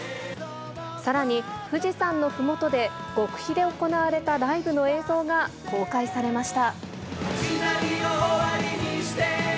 さらに、富士山のふもとで極秘で行われたライブの映像が公開されました。